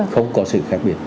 không có sự khác biệt